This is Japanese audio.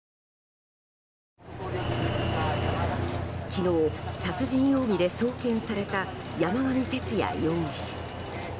昨日、殺人容疑で送検された山上徹也容疑者。